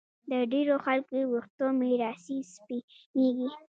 د ډېرو خلکو ویښته میراثي سپینېږي